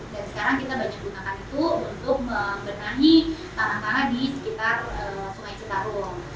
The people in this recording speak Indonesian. dan sekarang kita lanjut gunakan itu untuk menggenahi tanah tanah di sekitar sungai citarung